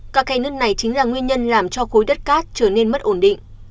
các khe nước này chính là nguyên nhân làm cho khối đất cát trở nên mất ổn định